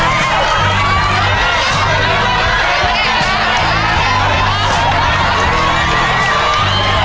ไปน้อยไปน้อยไปน้อย